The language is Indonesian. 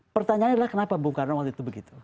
pertanyaannya adalah kenapa bung karno waktu itu begitu